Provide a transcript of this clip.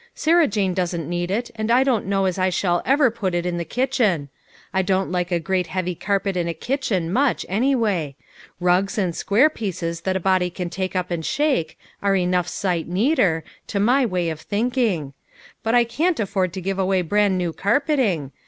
Sarah Jane doesn't need it, and I don't know as I shall ever put it on the kitchen. I don't like a great heavy carpet in a kitchen, much, anyway ; rugs, and square pieces that a body can take up and shake, are enough sight neater, to my way of thinking. But I can't afford to give away bran new carpeting.